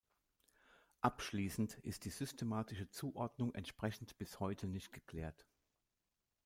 Abschließend ist die systematische Zuordnung entsprechend bis heute nicht geklärt.